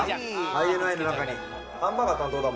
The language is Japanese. ＩＮＩの中にハンバーガー担当だ